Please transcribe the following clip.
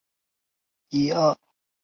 首府为伊苏兰。